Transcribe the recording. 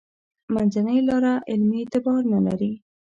منځنۍ لاره علمي اعتبار نه لري.